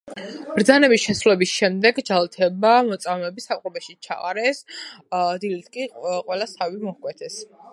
ბრძანების შესრულების შემდეგ ჯალათებმა მოწამეები საპყრობილეში ჩაყარეს, დილით კი ყველას თავები მოჰკვეთეს.